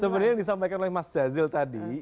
sebenarnya yang disampaikan oleh mas jazil tadi